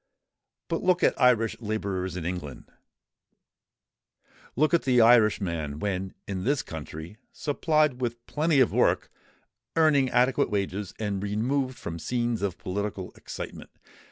But look at Irish labourers in England—look at the Irishman when in this country, supplied with plenty of work, earning adequate wages, and removed from scenes of political excitement.